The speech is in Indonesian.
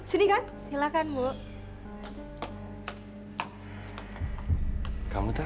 sekedar bukan nepanya